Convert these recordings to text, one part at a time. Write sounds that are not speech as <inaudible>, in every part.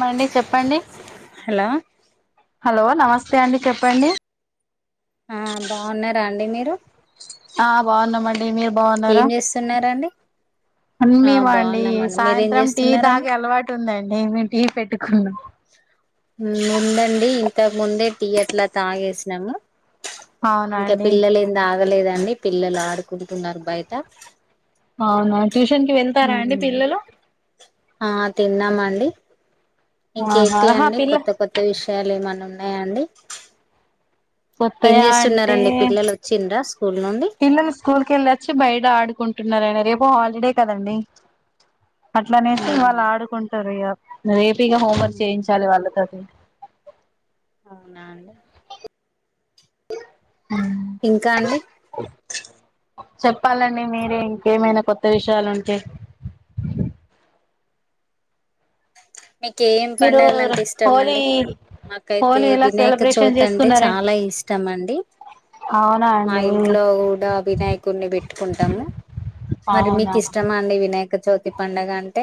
మండి చెప్పండి hello hello నమస్తే స్తే అండి చెప్పండి. ఆ బాగున్నారా అండి మీరు ఆ బాగున్నామండి మీరు బాగున్నారా ఏం చేస్తున్నారండి ఆ అన్నమ అండి బాగున్నామండి మీరేం సాయంత్రం టీ చేస్తున్నారండి తాగె అలవాటు ఉందండి నేమి టీ పెట్టుకున్నాం ముందండి, ఇంతకు ముందే టీ అట్లా తాగేసినాము అవునా అంటే అండి పిల్లలు ఏమి తగలేదండీ అీ పిల్లలు ఆడుకుంటున్నారు బయట అవునా ట్యూషన్ కి వెళ్తారా అండి పిల్లలు ఆ తిన్నామా అండి ఆహా ఇంకేంటి ఆహా అండి పిల్ల కొత్త కొత్త విషయాలు ఏమన్నా ఉన్నా అ అండి ఏం కొత్తయా అంటే చేస్తున్నారంండి పిల్లలు వచ్చింద్రా పిల్లలు స్కూల్కి వెళ్ళొచ్చి బయట ఆడుకుంటున్నారయన రేపు హాలిడే కదండి అట్లనేస్త వాళ్ళు ఆడుకుంటారు ఇక రేపు ఇక హోంవర్క్ చేయించాలి అవునా వాళ్ళతో వు నాలు <inaudible> ఇంకా అండి చెప్పాలండి మీరే ఇంకేమైనా కొత్త విషయాలుంటే మీకు ఏం మీరు పంండగలుంటే హోలీ ఇష్టమండి మాకైతే హోలీ ఎలా వినాయక సెలబ్రేషన్ చవిత్ అంటే చేసుకున్నారే చాలా ఇష్టం అండి అవునా మా అండి ఇంట్లో కూడా వినాయకుడిని పెట్టుకుంటాము మరి అవునా మీకు ఇష్టమా అండి వినాయక చవిత్ తి పండుగ అంటే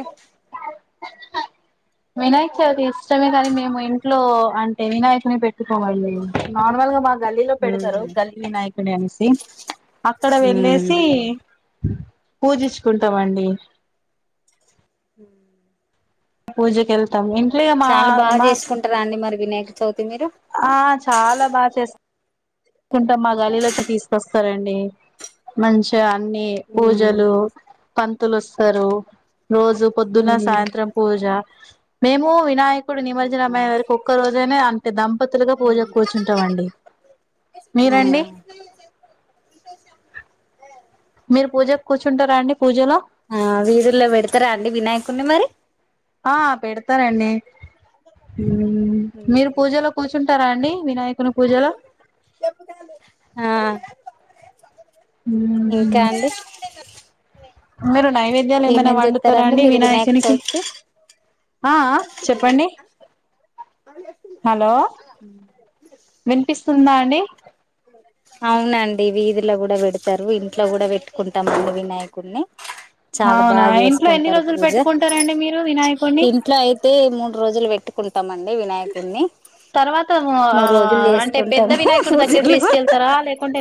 వినాయక చవితి ఇష్టమే కానీ మేము ఇంట్లో అంటే వినాయకుని పెట్టుకోవాలి నార్మల్గా బాగా గల్లీలో పెడతారు ఉమ్ గల్లీ వినాయకుడి అనేసి అక్కడ ఉమ్ వెళ్ళేసి పూజిచ్చుకుంటాం అండి ఉ పూజకెళ్తాము చాలా బాగా చేసుకుంటారా అండి మరి వినాయక చవితి మీరు ఆ చాలా బాగా చేస్ కుంట మా గల్లీలోచ్చ తీసుకొస్తారన్ డి మంచా న్నీ ఉమ్ పూజలు పంతులోస్తారు రోజు పొద్దున్న ఉమ్ సాయంత్రం పూజ మేము వినాయక ఇప్పుడు నిమజ్జన అమైన ఒక్క రోజేనే అ టే దంపతులుగా ఉమ్ పూజకు కూచుంటామండి మీరండి మీరు పూజకు కూ కూచుంటారా అండి పూజలో ఆ వీధుల్లో పెడతారా అండి వినాయకున్ని మరి ఆ పెడతారండి ఊ మీరు పూజలో కూచు తుంటారా అండి వినాయకుని పూజలో ఆ ఇంకా ఊహూ అండి మీరు నైవేద్యాలు ఏమైనా ఏమేం వండుతారా చేస్తారండి అండి మీరు వినాయక వినాయకునికి చవితికి ఆ ఆ చెప్పండి హలో విన్పిస్ సున్నాండి ఇవి ఇదిలో కూడా పెడతారు ఇంట్లో కూడా పెట్టుకుంటాం అండి వినాయకుడిని చాలా అవునా బాగా ఇంట్లో ఎన్ని చేసుకుంటారు రోజులు పూజ పెట్టుకుంటారండి మీరు వినాయకుడిని ఇంట్లో అయితే మూడు రోజులు పెట్టు కుంటామండి వినాయకుడిని తర్వాత ఆ అంటే పెద్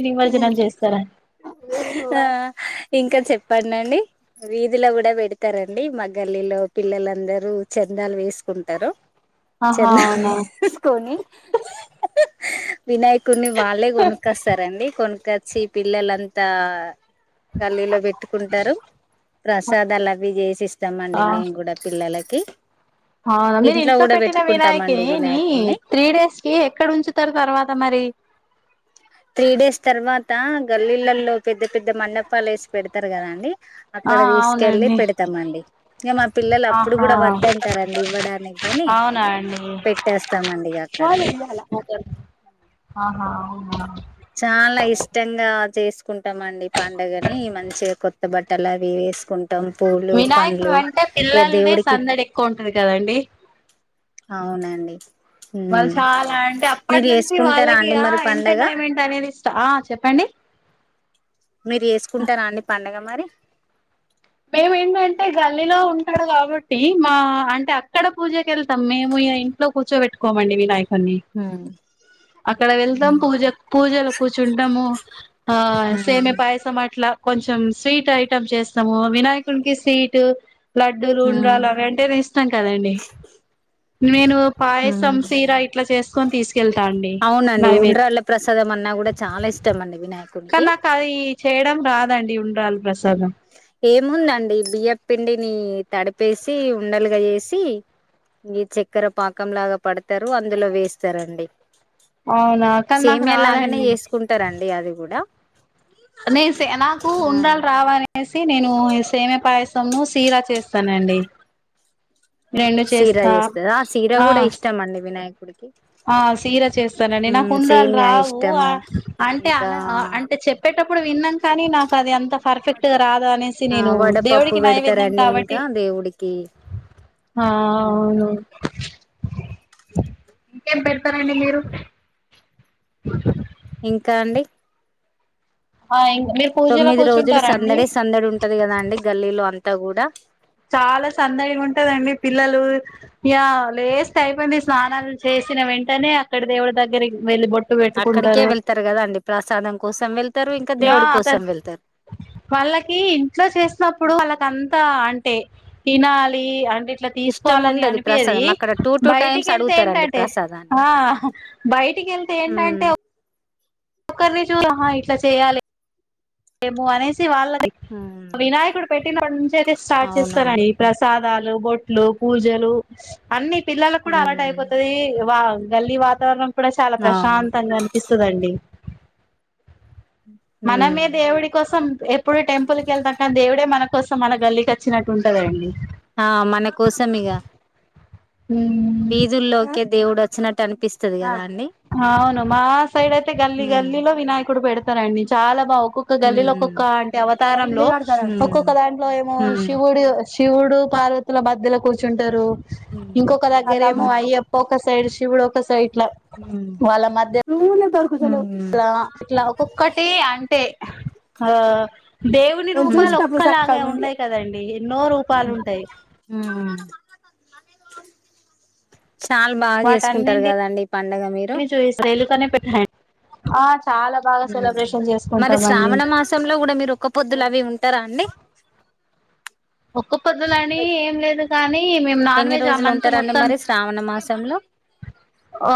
నిమజ్జనం చేస్తారా అ ఇంకా చె చెప్పండండి వీధిలో కూడా పెడతారండి మా గల్లీలో పిల్లలందరూ చందాలు వేసుకుంటారు ఆహా చెల్ల అవునా ఏసుకొనీ వినాయకుడిని వాళ్ళే కొనుక్కొస్తారండి కొను చి పిల్లలు అంతా గల్లీలో పెట్టుకుంటారు ప్రసాదా లు అవి చేసిస్తా ఆ అవునా మీరు ఇంట్లో కూడా పెట్టిన వినాయకి పెట్టుకుంటామండి ని వినాయకుడిని త్రీ డేస్ కి ఎక్కడ ఉంచుతారు తర్వాత మరి త్రీ డేస్ తర్వాత గల్లీళ్లల్లో పెద్ద పెద్ద మండపాలు వేసి పెడతారు కదా అండి ఆ అక్కడ తీసుకెళ్ళి అవునండి పెడతామండి ఇంకా మా పిల్లలు అప్పుడు ఆహా కూడా వద్దంటారు అడి ఇవ్వడానికి ని అవునా అండి పెట్టేస్తామండి ఇగా అక్కడ ఆహా అవునా చాలా ఇష్టంగా చేసు కుంటామండి పండుగని మంచిగా కొత్త బట్ అలావి వేసుకుం వినాయక అంటే పిల్లలని దేవుడికి సందడి ఎక్కువ ఉంటది కదండి అవునండి వాళ్ళు మ్మ్ చాలా అంటే అప్పటి మీరు నుంచి చేసుకుంటారా వాళ్ళకి అండి ఆ మరి పండగ ఎంటర్టైన్మెంట్ అనేది గా ఇష్ట ఆ చెప్పండి మీరు చేసుకుంటారా అండీ పండుగ మరి మేము ఏంటంటే గల్లిలో ఉంటాడు కాబట్టి మా అంటే అక్కడ పూజక వెళ్తాం మేము ఇగా ఇంట్లో కూర్చోబట్టుకోమండి మీ నాయకు అన్ని అక్కడ వెళ్తాం పూజ పూజలు కూర్చుంటాము ఆ సమియా మ్మ్ పాయసం అట్లా కొంచెం స్వీట్ ఐటెమ్ చేస్తాము వినాయకునికి స్వీట్ లడ్డూలు మ్మ్ ఉండరాలు అవి అంటే ఇష్టం కదా అండి నేను పాయసం సీర ఇట్లా చేస్తా కొని తీసు అవునండి ఉండ్రాళ్ళ ప్రసాదం అన్నా కూడా చాలా ఇష్టం అండి వినాయ కానీ నాకు అది చేయడం రాదండి ఉండ్రాలు పరసాదం ఏముందండి బియ్య పిండిని తడిపేసి ఉండలుగా చేసి ఈ చెక్కరా పాకంలాగా పడతారు అందులో వేస్తారండీ అవునా కానీ నాకు సేమీయా లాగానే రాదండి చేసుకుంటారండి అది కూడ నే సే నాకు ఉండరాలు రావు అని సి నేను సేమ పాయసంను సీరా చేస్తానండి ఆ రెండు సీరా చేస్తా చేస్తారు సీరా ఆ కూడా ఇష్టం అండి వినాయకుడికి ఆ సీర చేస్తానండి నా ఉమ్ ఉండ్రాలు సేమియా రావు ఇష్టము అంటే ఇంకా అ అంటే చెప్ ఇప్పుడు విన్న కానీ నాకు అది అంత పర్ఫెక్ట్గా రాదా అనేసి ఆ నేను వడపప్పు దేవుడికి నైవేద్యం పెడతారండి కాబట్టి ఇంకా దేవుడికి ఆ అవును ఇంకేం పెడతారండి మీరు అ <inaudible> ఇంకా అండి ఆ ఇం మీరు పూజలో తొమ్మిది రోజులు కూర్చుంటారా అండి సందడే సందడి ఉంటది కదా అండి గల్లీలో అం త్త కూడా చాలా సందడిగుంటదండి పిల్లలు ఇగ లేస్త అయిపోయింది స్నానాలు చేసిన వెంటనే అక్కడి దేవుడి దగ్గరికి వెళ్ళి బొ అక్కడికే ట్టుకుంటరు వెళ్తారు కదా అండి ప్రసాదం కోసం వెళ్తారు ఇంకా ఇగా దేవుడి కోసం తెర్ వెళ్తారు వాళ్ళకి ఇంట్లో చేసినప్పుడు వాళ్ళకంతా అ టె తినాలి అం ఇట్లా ఇష్టం తీసుకోవాలని ఉండది అనిపీయది ప్రసాదం అక్కడ టూ టూ బయటికి టైమ్స్ వెళ్తే అడుగుతారండి ఏంటంటే ప్రసాదాన్ని ఆ బయటికి వెళ్తే ఏంటంటే ఉమ్ ఒ ఒక్కరిని చూ హా ఇట్లా చేయాలి ఏమో అనేసి తి వాళ్ళది ఉమ్ వినాయకుడు పెట్టిన నుంచి అయితే స్టార్ట్ అవునండి చేస్తారని ప్రసాదా బొట్లు పూజలు అన్ని పిల్లలకు కూడా అలర్ట్ ఉమ్ అయిపోతది వా గల్లీ వాతావరణం కూడా చాలా అవును ప్రశాంతంగా అనిపిస్తుందండి ఊ మనమే దేవుడి కోసం ఎప్పుడు టెంపుల్ కి వెళ్తాం కానీ దేవుడే మ మన కోసం మన గల్లికి అచ్చినట్టు ఉంటదండి ఆ మన కోసం ఇగ ఊ వీధుల్లోకే దేవుడు వచ్చినట్టు అనిపిస్తది కద అవును మా సైడ్ అయితే గల్లీ ఉమ్ గల్లీలో వినాయకుడు పెడ్ తరండి చాలా బావు ఒక్కొక్క గల్లీలో ఉమ్ ఒక్కొక్క అంటే అవతారంలో ఒక్కొక్క దాంట్లో ఏమో శివుడు ఉమ్ శి శివుడు పార్వతుల మద్ద్యలో కూర్చుంటారు ఇంకొక దగ్గరేమో అయ్యప్ప ఒక సైడ్ శివక్ గ సైట్ల ఏం లే జరు అలా ఇట్లా ఒక్కొక్కటి అంటే ఆ దేవుని రూపాలు ఒక్కలాగ ఉండయి కదండి ఎన్నో రూపాలు ఉంటాయి ఉమ్ చాలా బాగా చేసుకుంటారు వాటన్నింటిని కదండి ఈ పండగ మీరు ఆచ్ మరి శ్రావణ మాసంలో కూడా మీరు ఒక్క పొద్దులవివీ ఉంట్ టరా అండి ఓక్ క్క పొద్దుల అని ఏం లేదు కానీ మేము నాన్ ఎన్ని వెజ్ ఆ రోజులు మంత్ ఉంటారండి మొత్తం మరి శ్రావణ మాసంలో ఆ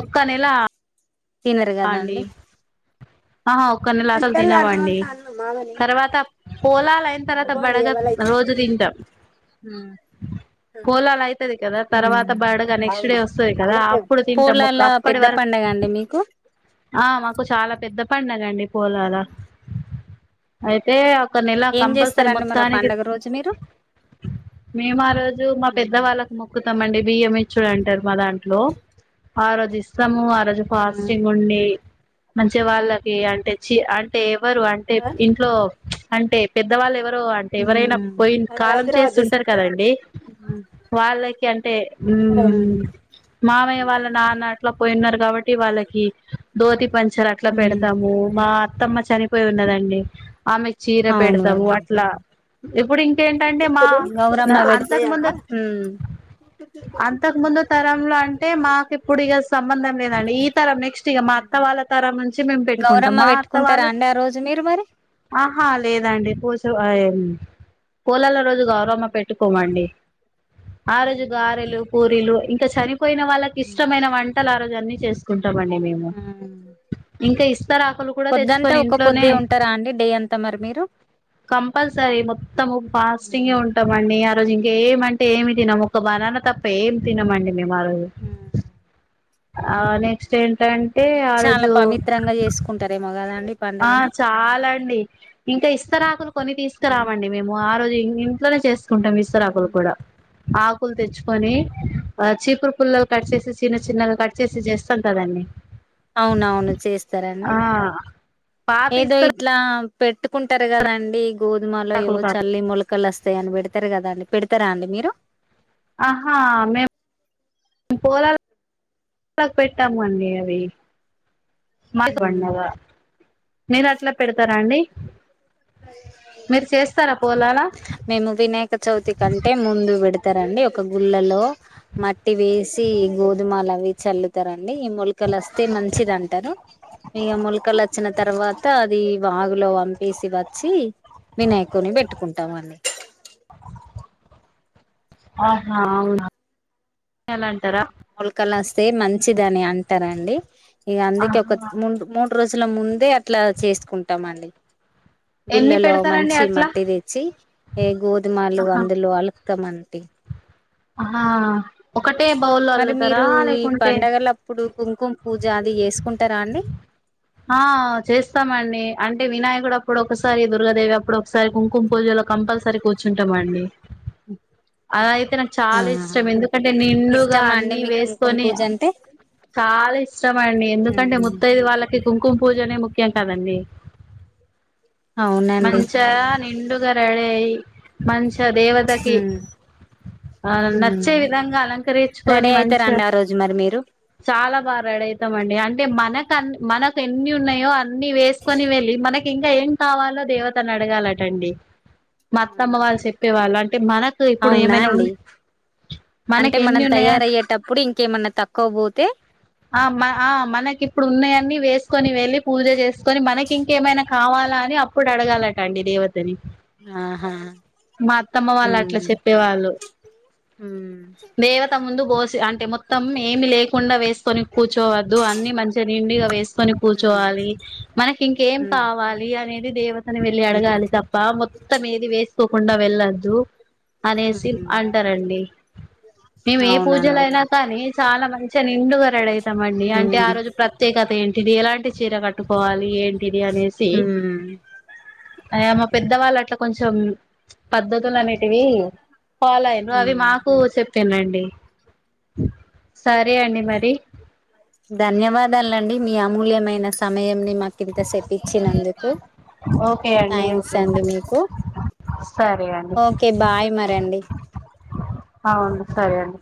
ఒక్క నెల తినరు కదా అండి ఒక నెల అసలు తినమండి తర్వాత పొలాలు అయిన తర్వాత బడగ రోజు తింటాం ఉమ్ పోలాలు అయితది కదా తర్వాత బడగ నెక్స్ట్ డే వస్తుంది కదా అప్పుడు తింటాం ఒక పూలల అప్పటి పెద్ద వరకు పండగ అండి మీకు ఆ మాకు చాలా పెద్ద పడుండి రండి పోలాల అయితే అక్ ఒక నెల ఏం కంపల్సరీ చేస్తారండి మరి ఆ మొత్తానికి పండగ రోజు మీరు మేము ఆ రోజు మా పెద్ద ఉమ్ వాళ్ళకి మొక్కుతామండి బియ్యం ఇ చూడంటారు మా దాంట్లో ఆ రోజు ఇస్తము ఆ జ ఫాస్ ఉమ్ చెంగొడి మంచిగ వాళ్ళకి అంటే చి అంటే ఎవరు అంటే ఇంట్లో అంటే పెద్దవాళ్ళ ఎవరు అంటే ఉమ్ ఎవరైనా పోయిన కాలం చేస్తుంటారు కదండి వాళ్ళకి అంటే మామయ్య వాళ్ళ నాన్న అట్లా పోయిన్నారు కాబట్టి వాళ్ళకి దోతి పం చర అట్లా ఉమ్ పెడతాము మా అత్తమ్మ చనిపోయి ఉన్నదండి ఆమె చీర అవును పెడతాము కదండి అట్లా ఇప్పుడు ఇంకేంటంటే మా గౌరమ్మ అంతకుముందు పెడితే అంతకుముందు తరంలో అంటే మాకె ప్పుడు ఇగ సంబంధం లేదండి నెక్స్ట్ ఇగ మా అత్త వాళ్ళ తరం నుంచి మేము పెట్టుకుంటాం గౌరమ్మ మా పెట్టుకుంటారా అత్తవాళ్ళు అండి ఆ రోజు మీరు మరి ఆహా లేదండి కోలల రోజు గౌరవం పెట్టుకోమండి ఆ రోజు గారెలు పూరిలు ఇంకా చరి పోయిన వాళ్ళకి ఇష్టమైన వంటల ఆరోజు ఇవన్నీ చేస్తా టామ్ మండి మేము ఇంకా ఇ విస్తరాకులు కూడా పొద్దంతా తెచ్చుకొని ఒక ఇంట్లోనే పొద్దే ఉంటారా అండి డే అంతా మరి మీరు కంపల్సరీ మొత్తము ఫాస్టింగే ఉంటాం అండి రోజు ఇంక ఏమంటే ఏమి తినము ఒక బనానా తప్ప ఏమి తినమండి మేం ఆరోజు అవును స్టేము చాలా పవిత్రంగా చేసుకుంటారేమో కద అండి ఆ చాలా అండి ఇంకా ఇస్త రాకులు కొని తీసుకురామండి మేము ఆ రోజు ఇంట్లోనే చేస్త కుంటాం విస్తరాకులు కూడా ఆకులు తెచ్చుకొని ఆ చీపురు పుల్లలు కట్ చేసి చిన్న చిన్నగా కట్ చేసి చేస్తాము కదండి అవునవును చేస్తారండి. ఆ పాత ఏదో ఇస్తరు ఇట్లా పెట్టుకుంటరు కదండి గోధుమలో ఆకులు ఏవో కాదు చల్లి మొలకలు వస్తాయని పెడతారు కదా పెడతారా అండి మీరు ఆహా మేము పోలాలకు పెట్టాము అండి అవి మాకు మీరు పండినయ మీరు అట్లా పెడతారా అండి. మీరు చేస్తారా పోలాలా మేము వినాయక చవితి కంటే ముందు పేతారండి ఒక గుళ్ళలో మట్టి వేసి గోధుమలు అవి చల్లుతా ఈ మొలకలు వస్తే మంచిది అంటారు ఇ మొలకలు వచ్చిన తర్వాత అది బాగు అందులో పంపేసి వచ్చి వినాయకుని పెట్టుకు ట్టమనే ఆహా అవునా ఎల్ మొలకలు వస్తే మంచిదిని అంటారండి ఇగా అందుకే ఆహా ఒక మూడు మూడు రో జులా అసల ముందే అట్లా చేసుకుంటాం అండి ఎన్ని గుళ్ళలో పెడతారండి మంచి అట్లా మట్టి తెచ్చి ఏ గోధుమలు ఆహా అందులో అలుకుతామంటి ఆహా ఒకటే బౌల్లో మరి అల్లుతారా మీరు ఈ లేకుంటే పండగల అప్పుడు కుంకుమ పూజ అది కుంటారా అండి ఆ చేస్తామండి అంటే వినాయకుడు అప్పుడు ఒకసారి దుర్గాదేవి అప్పుడు ఒకసారి కుంకుమ పూజలో కంపల్సరీ కూర్చుంటామండి అలా అయితే నాకు ఆ చాలా ఇష్టం ఎందుకంటే నిండుగా ఇష్టమా అండి అన్నిీ మీకు కుంకుమ వేసుకొని పూజ అంటే చాలా ఇష్టమ అండి ఎందుకంటే ఉమ్ ముత్తైదు వాళ్ళకి కుంకుమ పూజనే ముఖ్యం కదండి అవునండి మంచ నిండుగా రడై మంచి దేవతకి ఆ ఉమ్ నచ్చే విధంగా రెడీ అలంకరించుకొని మంచి అయితారండి ఆ రోజు మరి మీరు చాలా బాగా రడయితామండి అంటే మన మన ఎన్ని ఉన్నాయో అన్ని వేసుకొని వెళ్ళి మనకి ఇంకా ఏం కావాలో దేవతను అడగాలటండి మా అత్తమ్మ వాళ్ళు చెప్పేవాళ్ళు అంటే మనకు ఇప్పుడు అవునా ఏమైనా ఉ అండి అంటే మనకి ఎన్ని మనం ఉన్నాయా తయారయ్యేటప్పుడు ఇంకేమన్నా తక్కువ పోతే ఆ మ ఆ మనకి ఇప్పుడు ఉన్నాయన్న వేస్ కని వెళ్లి పూజ చేసుకొని మనకి ఇంకేమైనా కావాలా అని అప్పుడు అడగాలటండి దేవత తాని ఆహా మా అత్తమ్మ వాళ్ళు అట్లా ఉమ్ చెప్పేవాళ్ళు ఉమ్ దేవత ముందు బోసి అంటే మొత్తం ఏమి లేకుండా వేస్త కని కూర్చోవద్దు అన్ని మంచిగా నిండిగా వేస్త కొని ఉమ్ కూర్చోవాలి మనకి ఇంకేం ఉమ్ కావాలి అనేది దేవతని వెళ్లి ఉమ్ అడగాలి తప్ప మొత్తం ఏది వేసి తప్పకుండ వెళ్ళద్దు అనేసి ఉమ్ అంటారండి మేము ఏ పూజలు అవునండి అయినా కానీ చాలా మంచిగా నిండుగా రెడి అవుతామండి అంటే ఉమ్ ఆ రోజు ప్రత్యేకత ఏం ఇది ఎలాంటి చీర కట్టుకోవాలి ఏం బిర్యానే సి ఉమ్ అమో పెద్దవాళ్ళు అట్లా కొంచెం పద్ద్దతులు అనే ఇవి ఫాలో అయిడ్రు అవి ఉమ్ మాకు చెప్పిడ్రండి సరే అండి మరి ధన్యవాదాలండి మీ అమూల్యమైన సమయం ని మ కింత సెపిచ్చినందుకు ఓకే అండి థ్యాంక్స్ ఓకే అండి ఓకే మీకు సరే అండి ఓకే బాయ్ మర అండి అవును సరే అండి